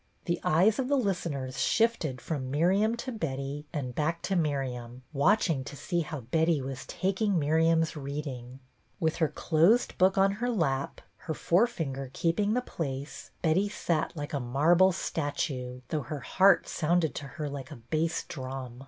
The eyes of the listeners shifted from Miriam to Betty and back to Miriam, watch ing to see how Betty was taking Miriam's reading. With her closed book on her lap, her forefinger keeping the place, Betty sat like a marble statue, though her heart sounded to her like a bass drum.